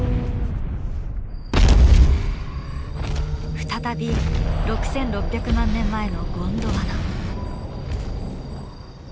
再び６６００万年前のゴンドワナ。